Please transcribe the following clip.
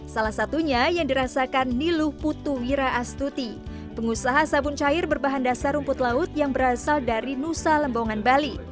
salah satunya yang dirasakan niluh putu wira astuti pengusaha sabun cair berbahan dasar rumput laut yang berasal dari nusa lembongan bali